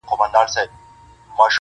ضميرونه لا هم بې قراره دي,